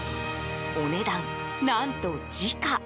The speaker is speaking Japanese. お値段、何と時価。